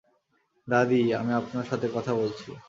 দাদী, আমি আপনার সাথে কথা বলছি!